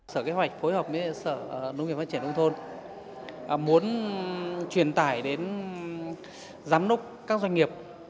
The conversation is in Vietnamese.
sở kế hoạch phối hợp với sở nông nghiệp phát triển nông thôn muốn truyền tải đến giám đốc các doanh nghiệp